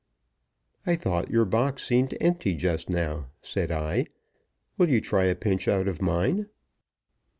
"I thought your box seemed empty just now," said I; "will you try a pinch out of mine?"